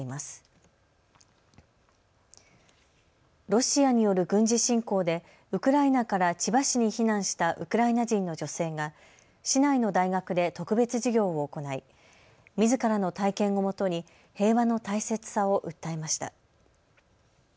ロシアによる軍事侵攻でウクライナから千葉市に避難したウクライナ人の女性が市内の大学で特別授業を行いみずからの体験をもとに平和の大切さを訴えました。